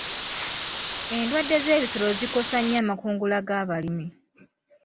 Endwadde z'ebisolo zikosa nnyo amakungula g'abalimi.